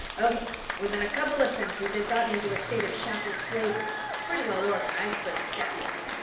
O.K. Within a couple of centuries they'd gotten into a state of chattel slavery. Pretty well organized, but static.